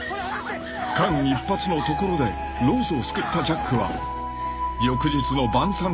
［間一髪のところでローズを救ったジャックは］